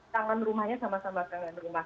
tangan rumahnya sama sama tangan rumah